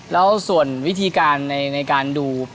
แล้วส่วนวิธีการในการดู